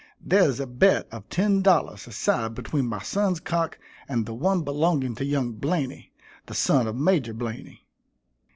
There is a bet of ten dollars a side between my son's cock and the one belonging to young Blainey, the son of Major Blainey.